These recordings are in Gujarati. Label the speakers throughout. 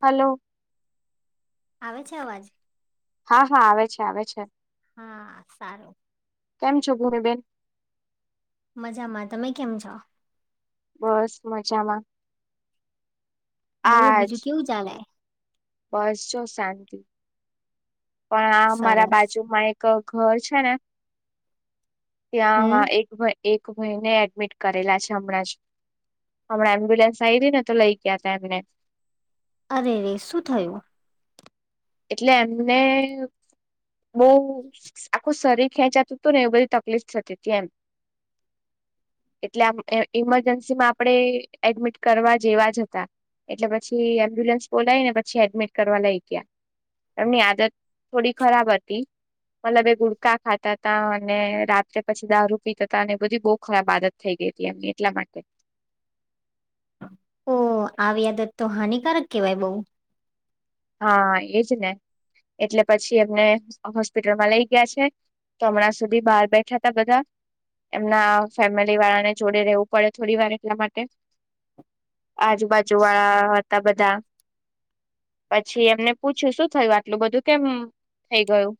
Speaker 1: હલો.
Speaker 2: આવે છે. અવાજ.
Speaker 1: હા, હા, આવે છે. આવે છે.
Speaker 2: હા, સારું.
Speaker 1: કેમ છો, ભુમી બેન?
Speaker 2: મજામાં. તમે કેમ છો?
Speaker 1: બસ મજામાં.
Speaker 2: બોલો, બીજું
Speaker 1: આજ
Speaker 2: કેવું ચાલે?
Speaker 1: બસ જો શાંતિ. પણ આ મારા
Speaker 2: સરસ
Speaker 1: બાજુમાં એક ઘર છે ને ત્યાં
Speaker 2: હમ
Speaker 1: એક-એક ભાઈને એડમિટ કરેલા છે, હમણાં જ. હમણાં એમ્બ્યુલન્સ આઈ ગઈ ને, તો લઈ ગયા હતા, એમને.
Speaker 2: અરે રે! શું થયું?
Speaker 1: એટલે એમને બહુ આખું શરીર ખેંચાતું હતું ને, એ બધી તકલીફ થતી હતી એમ. એટલે આ ઈમરજન્સી માં આપણે એડમિટ કરવા જેવા જ હતા. એટલે પછી એમ્બ્યુલન્સ બોલાય ને, પછી એડમિટ કરવા લઈ ગયા. એમની આદત થોડી ખરાબ હતી. મતલબ, એ ગુડકા ખાતા હતા, અને રાત્રે પછી દારૂ પીતા હતા, અને એ બધી બહુ ખરાબ આદત થઈ ગઈ. એટલા માટે [unintelligible]
Speaker 2: ઓ આવી આદત તો હાનિકારક કહેવાય બઉ.
Speaker 1: હા, એજ ને, એટલે પછી એમને હોસ્પિટલમાં લઈ ગયા છે. હમણાં સુધી બહાર બેઠા હતા બધા. એમના ફેમિલી વાળાને જોડે રહેવું પડે, થોડી વાર એટલા માટે. આજુબાજુ વાળા હતા બધા. [unintelligible] પછી એમને પૂછ્યું, શું થયું! આટલું બધું કેમ થઈ ગયું?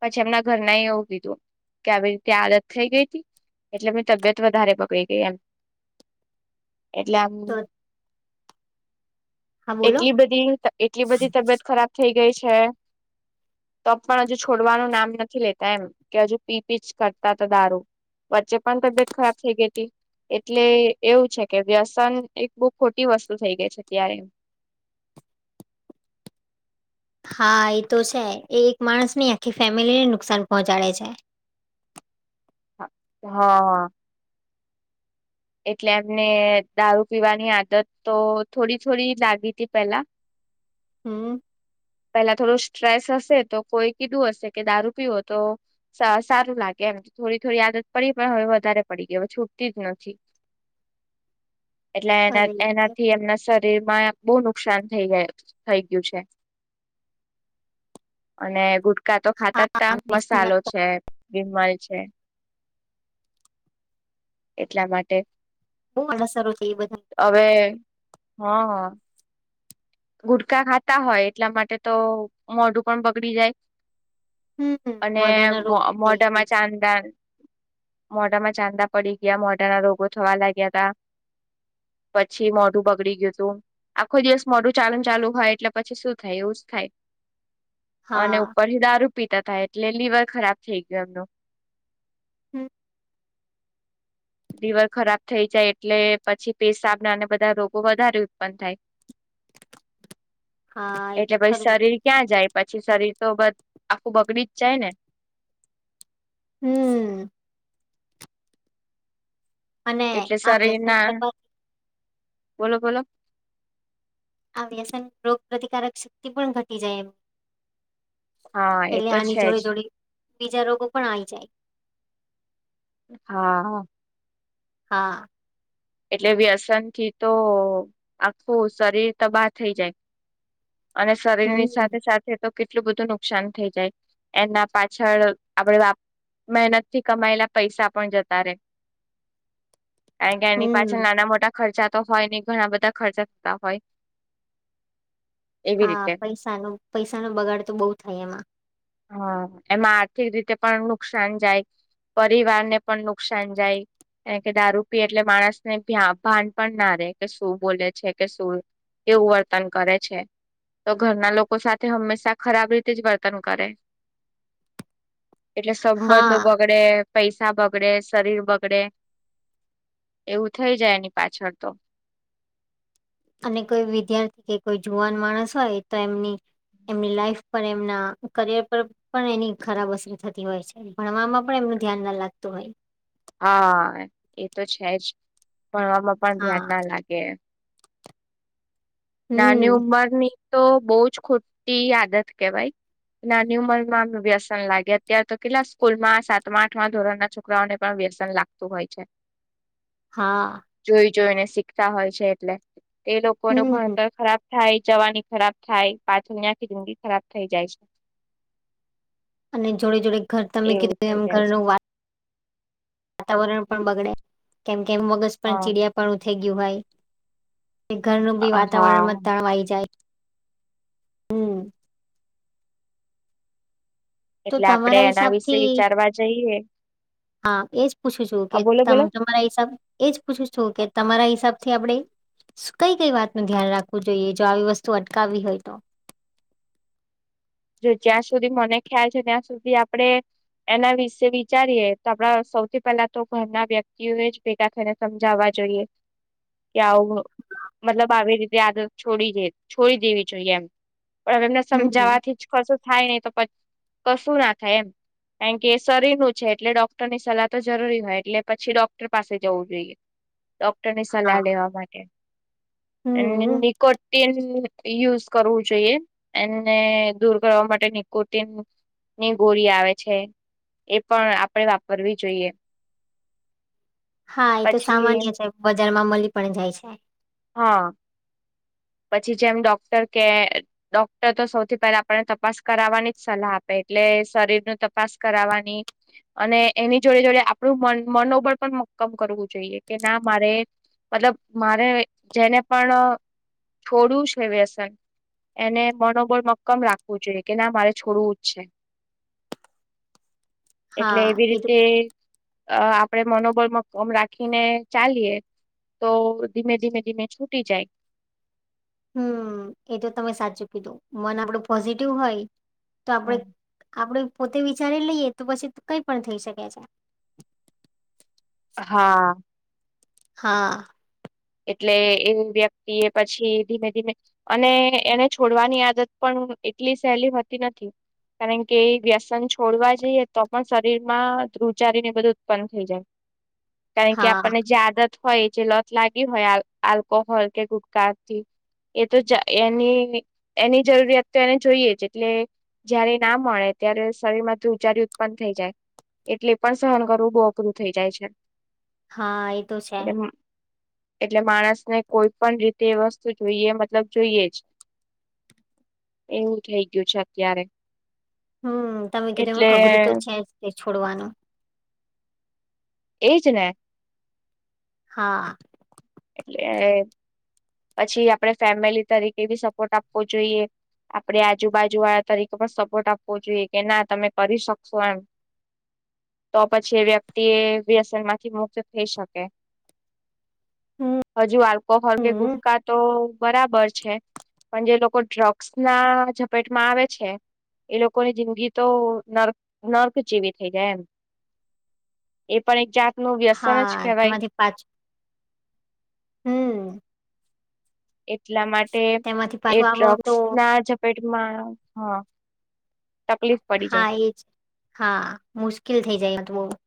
Speaker 1: પછી એમના ઘર ના એવું કીધું કે, આવી રીતે આદત થઈ ગઈ હતી. એટલે, એમની તબિયત વધારે બગડી ગઈ એમ, એટલે આમ.
Speaker 2: તો હા બોલો
Speaker 1: એટલી બધી એટલી બધી તબિયત ખરાબ થઈ ગઈ છે. તો પણ, હજુ છોડવાનું નામ નથી લેતા, એમ કે, હજુ પી પી જ કરતા હતા દારૂ. વચ્ચે પણ તબિયત ખરાબ થઈ ગઈ હતી. એટલે, એવું છે કે, વ્યસન એક બહુ ખોટી વસ્તુ થઈ ગઈ છે અત્યારે. [unintelligible]
Speaker 2: હા એ તો છે એ એક માણસ નહી આખી ફેમિલીને નુકસાન પહોંચાડે છે
Speaker 1: હા હા [inaudible] એટલે એમને દારૂ પીવાની આદત તો થોડી થોડી લાગી હતી પેલા હ [inaudible]
Speaker 2: હમ [inaudible]
Speaker 1: પેલા થોડું સ્ટ્રેસ હશે તો કોઈ કીધું હશે કે દારૂ પીવો તો સારું લાગે કેમ થોડી થોડી આદત પડી પણ હવે વધારે પડી ગઈ હવે છૂટતી જ નથી એટલે એના
Speaker 2: અરે રે.
Speaker 1: એનાથી એમના શરીર માં બહુ નુકસાન થઈ ગય થઈ ગયું છે અને ગુ [unintelligible] કા તો ખાતા જ ત
Speaker 2: હા વ્યસન
Speaker 1: મસાલો છે બીમલ છે [unintelligible] એટલા માટે
Speaker 2: બહુ અસરો છે એ બધા
Speaker 1: [unintelligible] હવે હા હા ગુટકા ખાતા હોય એટલા માટે તો મોઢું પણ બગડી જાય
Speaker 2: હમ
Speaker 1: [unintelligible] અને
Speaker 2: મોઢાના રોગો થાય કે
Speaker 1: મોઢામાં ચાદા મોઢામાં ચાંદા પડી ગયા મોઢાના રોગો થવા લાગ્યા હતા પછી મોઢું બગડી ગયું હતું આખો દિવસ મોઢું ચાલન ચાલુ હોય એટલે પછી શું થાય એવું જ થાય [unintelligible] અને
Speaker 2: હા
Speaker 1: ઉપરથી દારૂ પીતા થાય એટલે લિવર ખરાબ થઈ ગયો એમનો
Speaker 2: હમ [inaudible]
Speaker 1: [inaudible] દલી વર ખરાબ થઈ જાય એટલે પછી પેશાબના અને બધા રોગો વધારે ઉત્પન્ન થાય [unintelligible]
Speaker 2: હા એ તો
Speaker 1: એટલે પછી
Speaker 2: ખરું
Speaker 1: શરીર ક્યાં જાય પછી શરીર તો બધ આખું બગડી જ જાય ને
Speaker 2: હમ અને
Speaker 1: એટલે
Speaker 2: આ
Speaker 1: શરીર
Speaker 2: વ્યસન
Speaker 1: ના
Speaker 2: કરવા
Speaker 1: બોલો બોલો,
Speaker 2: આ વ્યસન રોગ પ્ર્રતિકારક શક્તિ પણ ઘટી જાય એમ
Speaker 1: હા એ
Speaker 2: એટલે
Speaker 1: તો
Speaker 2: આની
Speaker 1: છે
Speaker 2: જોડે
Speaker 1: જ
Speaker 2: જોડીે બીજા રોગો પણ આવીઈ જાય.
Speaker 1: હા
Speaker 2: હા
Speaker 1: એટલે વ્યસન થી તો આખું શરીર તબાહ થઈ જાય અને શરીરની
Speaker 2: હમ
Speaker 1: સાથે સાથે તો, કેટલું બધું નુકસાન થઈ જાય એના પાછળ આપડ મહેનતથી કમાયેલા પૈસા પણ જતા રહેે, કારણ કે એની પાછળ
Speaker 2: હમ
Speaker 1: નાના મોટા ખર્ચા તો હોય નને ઘણા બધા ખર્ચા થતા હોય એવી
Speaker 2: હા
Speaker 1: રીતે
Speaker 2: પૈસા ન પૈસા નો બગાડ તો બહુ થાય એમાં
Speaker 1: હા એમાં આર્થિક રીતે પણ નુકસાન જાય પરિવાર ને પણ નુકસાન જાય, કારણ કે દારૂ પી એટલે માણસ ને ભાન પણ ના રે કે શું બોલે છે કે શું એવું વર્તન કરે છે તો ઘરના લોકો સાથે હંમેશા ખરાબ રીતે જ વર્તન કરે, એટલે
Speaker 2: હા
Speaker 1: સંબંધો બગડે પૈસા બગડે શરીર બગડે એવું થઇ જાય એની પાછળ તો,
Speaker 2: અને કોઈ વિદ્યાર્થી કે કોઈ જુવાન માણસ હોય તો એમની એમની લાઈફ પર એમના કરિયર પર પણ એની ખરાબ અસર થતી હોય છે, ભણવામાં પણ એ, ધ્યાન ના લાગતું હોય
Speaker 1: હા એ તો છે જ ભણવામાં પણ ધ્યાન
Speaker 2: હા
Speaker 1: ના લાગે, નાની
Speaker 2: હમ
Speaker 1: ઉંમર ની તો બહ જ ખોટી આદત કેવાય ના ન્યુ મનમાં વ્યસન લાગે અત્ય્યારે તો કેટલા સ્કૂલ માં સાતમા આઠમા ધોરણ ના છોકરાઓને પણ, ન લાગતું હોય છે
Speaker 2: હા.
Speaker 1: જોઈ જોઈને શીખતા હોય છે એટલે એ લોકોનું ભણ
Speaker 2: હમ
Speaker 1: ખરાબ થાય જવાની ખરાબ થાય પાછળ ની આખી જિંદગી ખરાબ થઈ જાય છે.
Speaker 2: અને જોડે જોડે ઘર તમે
Speaker 1: એવું
Speaker 2: કીધું
Speaker 1: થઈ
Speaker 2: એમ ઘર
Speaker 1: જાય
Speaker 2: ન
Speaker 1: છે
Speaker 2: વા વાતાવરણ પણ બગડે કેમ કેમ મગજ પણ
Speaker 1: હા
Speaker 2: ચીડિયાપણું થઈ ગયું હોય, ઘરનું બી વાતાવરણમાં જ
Speaker 1: હા
Speaker 2: તણવાઈ જાય હમ તો
Speaker 1: એટલે આપડે
Speaker 2: તમારા
Speaker 1: એના
Speaker 2: હિસાબ
Speaker 1: વિશે
Speaker 2: થી
Speaker 1: વિચારવા જઈએ.
Speaker 2: હા એજ પૂછું છું કે
Speaker 1: હા બોલો બોલો
Speaker 2: તમારા હિસાબ એજ પૂછું છું કે તમારા હિસાબ થી આપણે કઈ કઈ વાત નું ધ્યાન રાખવું જોઈએ જો આવી વસ્તુ અટકાવવી હોય તો
Speaker 1: [inaudible] જ્યાં સુધી મને ખ્યાલ છે ત્યાં સુધી આપડે એના વિશે વિચારીએ તો આપડા સૌથી પેલા તો ઘરના વ્યક્તિઓ એ જ ભેગા થઈને સમજાવવા. જોઈએ કે આવું. મતલબ આવી રીતે આદત છોડી દે છોડી દેવી જોઈએ, એમ. પણ હવે એમને
Speaker 2: હમ
Speaker 1: સમજાવાથી જ કશું થાય નહીિ તો કશું ના થાય એમ કારણ કે એ શરીરનું છે એટલે ડોક્ટર ની સલાહ તો જરૂરી હોય એટલે પછી, ડોક્ટર પાસે જવું જોઈએ. ડોક્ટરની
Speaker 2: હા
Speaker 1: સલાહ લેવા માટે અને
Speaker 2: હમ
Speaker 1: નિકોન યુઝ કરવું જોઈએ એને દૂર કરવા માટે નિકોતિન ની ગોળી આવે છે. એ પણ આપણે વાપરવી જોઈએ.
Speaker 2: હા એ તો
Speaker 1: પછી
Speaker 2: સામાન્ય છે, બજારમાં મળી પણ જાય છે.
Speaker 1: હા. પછી જેમ ડોક્ટર કે ડોક્ટર તો સૌથી પહેલા આપણને તપાસ કરાવવાની જ સલાહ આપે એટલે શરીર ન તપાસ કરની અને એની જોડે જોડે આપણું મ પણ, કરવું જોઈએ કે ના મારે મતલબ મારે જેને પણ છોડું છેવેસન એને મનોબળ મક્કમ રાખવું જોઈએ કે ના મારે છોડવું જ છે એટલે
Speaker 2: હા
Speaker 1: એવી
Speaker 2: એ તો
Speaker 1: રીતે અ આપડે મનોબલમાં કોમ રાખીને ચાલીએ તો ધીમે ધીમે દિમે છૂટી જાય-
Speaker 2: હમ એ તો તમે સાચું કીધું મન આપડું પોઝિટિવ હોય તો આપડે આપડે પોતે વિચારી લઈએ તો પછી કઈ પણ થઈ શકે છે.
Speaker 1: હા.
Speaker 2: હા.
Speaker 1: એટલે એ વ્યક્તિ એ પછી ધીમે ધીમે અને એને છોડવાની આદત પણ એટલી સહેલીતી નથી. કારણ કે વ્યસન છોડવા જઈએ તો પણ શરીર માં રુચારી ને બધું ઉત્પન્ન થઈ જાય કારણ કે
Speaker 2: હા
Speaker 1: આપણને જે આદત હોય જે લોથ લાગે હોય આલ્કોહોલ કે ગુટકાથી એ તો એની એની જરૂરિયાત તો એને જોઈએ જ એટલે જયારે ના મળે ત્યારે શરીર માંથી ઉજારી ઉત્પન્ન થઈ જાય એટલે પણ સહન કરવું બહ અઘરું થઇ જાય છે.
Speaker 2: હા. એ તો છે.
Speaker 1: એટલે એટલે માણસને કોઈ પણ રીતે વસ્તુ જોઈએ મતલબ જોઈએ જ એવું થઈ ગયું છે અત્યારે.
Speaker 2: હમ તમે કધ
Speaker 1: એટલે
Speaker 2: અઘરું તો છે જ તે છોડવાનું
Speaker 1: એ જ ને.
Speaker 2: હા.
Speaker 1: એટલે પછી આપણે ફેમિલી તરીકે બી સપોર્ટ આપવો જોઈએ. આપણે આજુબાજુ વાળા તરીકે પણ સપોર્ટ આપવો જોઈએ કે ના તમે કરી શકશો એમ. તો પછી વ્યક્તિ એ વ્યસન માંથી મુક્ત થઈ શકે.
Speaker 2: હમ
Speaker 1: હજુ આલ્કોહોલ કે
Speaker 2: હમ,
Speaker 1: ગુટકા તો બરાબર છે, પણ જે લોકો ડ્રગ્સ ના ઝપેટમાં આવે છે. એ લોકોની જિંદગી તો નર્ક નર્ક જેવી થઈ જાય એમ. એ પણ એક જાત નું વ્યસન જ
Speaker 2: હા
Speaker 1: કહેવાય.
Speaker 2: તેમાંથી પાછું હમ.
Speaker 1: એટલા માટે,
Speaker 2: તેમાંથી
Speaker 1: એ
Speaker 2: પાછું આવવાનું
Speaker 1: ડ્રગ્સ
Speaker 2: તો
Speaker 1: ના ઝપેટમાં હા. તકલીફ પડી
Speaker 2: હા
Speaker 1: જાય
Speaker 2: એજ, હા મુશ્કેલ થઇ જાય તો બહ. [inaudible]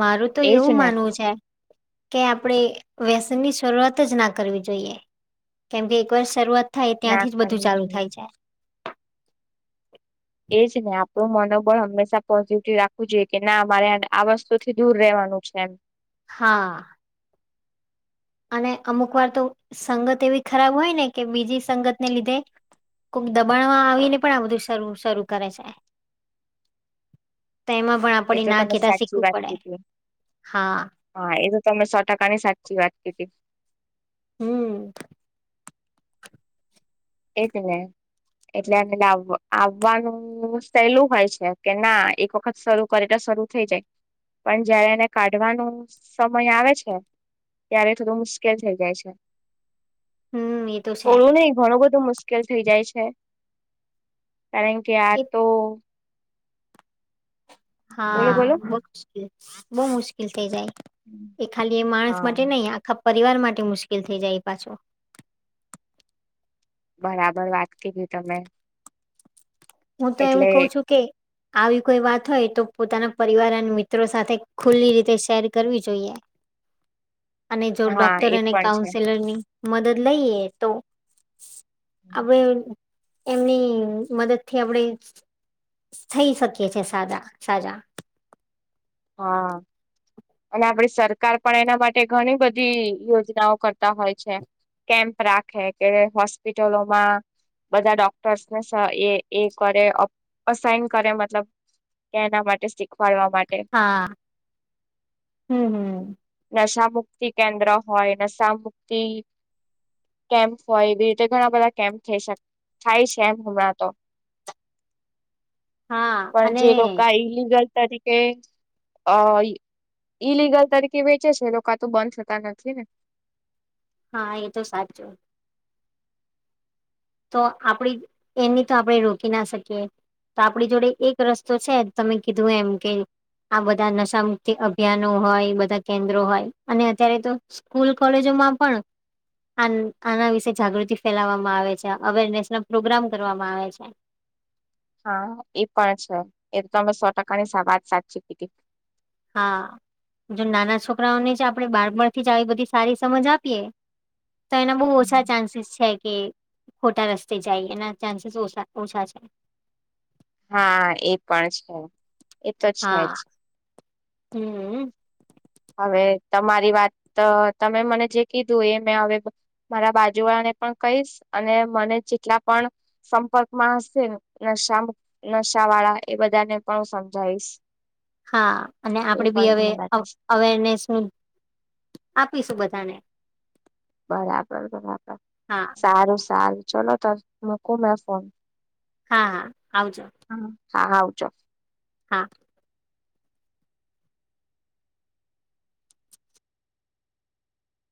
Speaker 2: મારું તો
Speaker 1: એજ
Speaker 2: એવું
Speaker 1: ને
Speaker 2: માનવું છે, કે આપડે વ્યસનની શરૂઆત જ ના કરવી જોઈએ, કેમકે એકવાર શરૂઆત થાય
Speaker 1: ના
Speaker 2: ત્યાંથી જ બધું
Speaker 1: કરવી
Speaker 2: ચાલુ
Speaker 1: જોઈએ
Speaker 2: થાય છે.
Speaker 1: એજ ને આપણું મનોબળ હંમેશા પોઝિટિવ રાખવું જોઈએ કે ના મારે આ વસ્તુ થી દૂર રહેવાનું છે. વ્યસન.
Speaker 2: હા. અને અમુક વાર તો સંગત એવી ખરાબ હોય ને કે બીજી સંગતને લીધે કોક દબાણમાં આવીને પણ આ બધું શ શરૂ કરે છે.
Speaker 1: [inaudible]
Speaker 2: તો એમાં પણ
Speaker 1: એ
Speaker 2: આપણે
Speaker 1: તો
Speaker 2: ના
Speaker 1: તમે
Speaker 2: કેતા
Speaker 1: સાચી
Speaker 2: શીખવું
Speaker 1: વાત
Speaker 2: પડે
Speaker 1: કીધી.
Speaker 2: હા
Speaker 1: હા એ તો તમે સો ટકાની સાચી વાત કીધી.
Speaker 2: હમ.
Speaker 1: એજ ને. એટલે લ આવવાનું સહેલું હોય છે કે ના એક વખત શરૂ કરી તો શરૂ થઈ જાય, પણ જયારે એને કાઢવાનો સમય આવે છે. ત્યારે થોડું મુશ્કેલ થઈ જાય છે.
Speaker 2: હમ એ તો છે.
Speaker 1: થોડું નહીં ઘણું બધું મુશ્કેલ થઇ જાય છે. કારણ કે આ
Speaker 2: એ
Speaker 1: તો બોલો
Speaker 2: હા
Speaker 1: બોલો
Speaker 2: બહુ મુશ્કિલ બહુ મુશ્કેલ થઇ જાય. એ ખાલી એ માણસ
Speaker 1: હા
Speaker 2: માટે નહી આખા પરિવાર માટે મુશ્કેલ થઈ જાય એ પાછું.
Speaker 1: બરાબર વાત કીધી તમે.
Speaker 2: હું તો એવું
Speaker 1: એટલે
Speaker 2: ક છું કે આવી કોઈ વાત હોય તો પોતાના પરિવાર અને મિત્રો સાથે ખુલ્લી રીતે શેર કરવી જોઈએ. અને જો
Speaker 1: હા
Speaker 2: ડોક્ટર
Speaker 1: એ
Speaker 2: અને
Speaker 1: પણ છે
Speaker 2: કાઉન્સેલર ની મદદ લઈએ તો. હવે એમની મદદ થી આપણેે થઈ શકીએ છે એ સાજા સાજા.
Speaker 1: હા. અને આપડી સરકાર પણ એના માટે ઘણી બધી યોજનાઓ કરતા હોય છે. કેમ્પ રાખે કે હોસ્પિટલોમાં. બધા ડોક્ટર્સને એ એ કરે અસાઈન કરે મતલબ કેના માટે શીખવાડવા માટે.
Speaker 2: હા, હમ હમ.
Speaker 1: નશા મુક્તિ કેન્દ્ર હોય નશા મુક્તિ કેમ્પ હોય એ રીતે ઘણા બધા કેમ્પ થઈ થાય છે એમ હમણાં તો.
Speaker 2: હા
Speaker 1: પણ
Speaker 2: અને
Speaker 1: જે લોકો ઇલીગલ તરીકે અ ઈલિગલ તરીકે વેચે છે એ લોકો આ તો બંધ થતા નથી ને.
Speaker 2: હા એ તો સાચું. તો આપડી એની તો આપણે રોકી ના શકીએ. તો આપણી જોડે એક રસ્તો છે તમે કીધું એમ કે આ બધા નશા મુક્તિ અભ્યાનો હોય બધા કેન્દ્રો હોય અને અત્યારે તો સ્કૂલ, કોલેજોમાં પણ આના વિશે જાગૃતિ ફેલાવવામાં આવે છે અવેરનેસ ન પ્રોગ્રામ કરવામાં આવે છે.
Speaker 1: હા એ પણ છે એ તો અમે સો ટકાની વાત સાચી કીધી.
Speaker 2: હા. જો નાના છોકરાઓને જ આપણે બાળબણ થી જ આવી બધી સારી સમજ આપીએ તો એના બહુ ઓછા ચાન્સીસ છે, કે ખોટા રસ્તે જાય એના ચાન્સીસ ઓછા ઓછા છે.
Speaker 1: હા, એ પણ છે. એ તો
Speaker 2: હા
Speaker 1: છેજ.
Speaker 2: હમ
Speaker 1: હવે તમારી વાત તમે મને જે કીધું એ મેં હવે મારા બાજુ વાળાને પણ કહીશ. અને મને જેટલા પણ સંપર્કમાં હશે ને ન શા નશા વાળા એ બધાને પણ હું સમજાઈશ.
Speaker 2: હા, અને આપડી બી હવે
Speaker 1: રાખીશ
Speaker 2: અવેરનેસ નું આપીશું બધાને.
Speaker 1: બરાબર, બરાબર
Speaker 2: હા
Speaker 1: સારું, સારું ચલો તો મુકુ મે ફોન.
Speaker 2: હા, હા આવજો!
Speaker 1: હા હા, આવજો!
Speaker 2: હા.